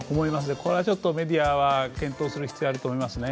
これはちょっとメディアは検討する必要があると思いますね。